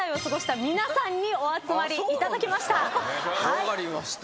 分かりました。